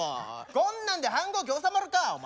こんなんで反抗期収まるかお前。